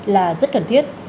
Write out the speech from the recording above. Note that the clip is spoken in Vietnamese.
là rất cần thiết